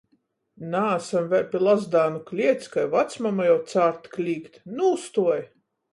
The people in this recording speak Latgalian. Naasam vēļ pi Lazdānu kliets, kai vacmama jau cārt klīgt: Nūstuoj!